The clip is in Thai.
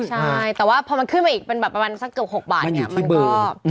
ใช่แต่ว่าพอมันขึ้นมาอีกประมาณสักเกือบ๖บาทเนี่ย